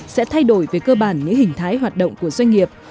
sẽ thay đổi về cơ bản những hình thái hoạt động của doanh nghiệp